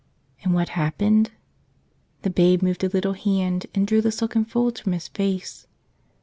And what happened? The Babe moved a little hand and drew the silken folds from His face.